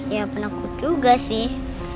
ya penakut juga sih